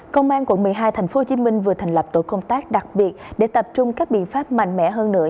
công an quận một mươi hai tp hcm vừa thành lập tổ công tác đặc biệt để tập trung các biện pháp mạnh mẽ hơn nữa